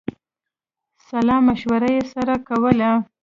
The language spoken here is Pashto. سلامشورې یې سره کولې.